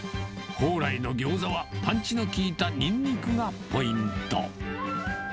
宝来のギョーザは、パンチの効いたニンニクがポイント。